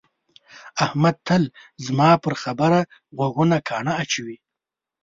احمد تل زما پر خبره غوږونه ګاڼه اچوي.